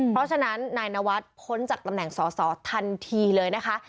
เพราะฉะนั้นนายนวัฒน์พ้นจากตำแหน่งสอสอทันทีเลยนะคะ